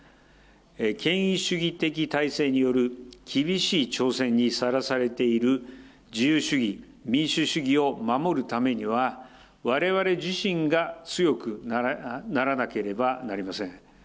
権威主義的体制による厳しい挑戦にさらされている自由主義、民主主義を守るためには、われわれ自身が強くならなければなりません。